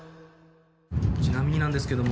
ちなみになんですけども。